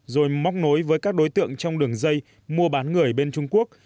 rồi móc nối với các đối tượng trong đường dây mua bán người bên trung quốc